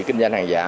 kinh doanh hàng giả